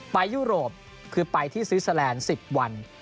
ยุโรปคือไปที่สวิสเตอร์แลนด์๑๐วัน